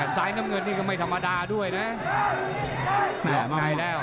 ซ้ายน้ำเงินนี่ก็ไม่ธรรมดาด้วยนะ